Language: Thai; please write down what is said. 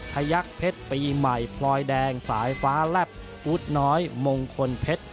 ยักษ์เพชรปีใหม่พลอยแดงสายฟ้าแลบอู๊ดน้อยมงคลเพชร